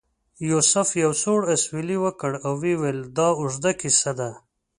یوسف یو سوړ اسویلی وکړ او ویل یې دا اوږده کیسه ده.